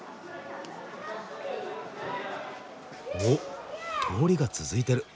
お通りが続いてる。